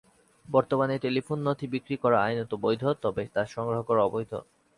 বর্তমানে টেলিফোন নথি বিক্রি করা আইনত বৈধ, তবে তা সংগ্রহ করা অবৈধ।